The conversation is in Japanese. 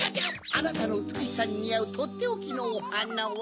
あなたのうつくしさににあうとっておきのおはなは。